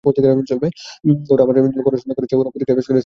ওরা আমার সাথে পড়াশোনা করেছে, ওরা পরীক্ষায় পাস করে সিনিয়র হয়ে গেছে।